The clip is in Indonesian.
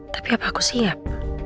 tapi apa aku siap